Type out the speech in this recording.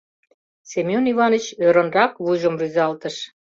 — Семён Иваныч ӧрынрак вуйжым рӱзалтыш.